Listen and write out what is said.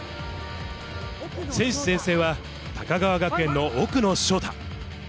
選手宣誓は、高川学園の奥野奨太。